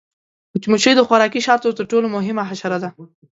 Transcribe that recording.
مچمچۍ د خوراکي شاتو تر ټولو مهمه حشره ده